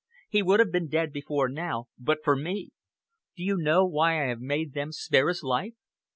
He would have been dead before now, but for me! Do you know why I have made them spare his life?"